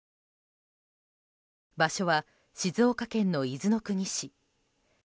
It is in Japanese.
場所は、静岡県の伊豆の国市。